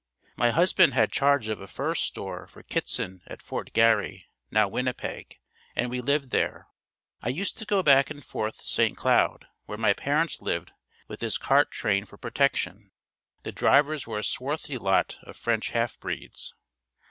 My husband had charge of a fur store for Kittson at Fort Garry, now Winnipeg and we lived there. I used to go back and forth to St. Cloud where my parents lived with this cart train for protection. The drivers were a swarthy lot of French half breeds.